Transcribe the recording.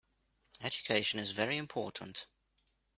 Education is very important.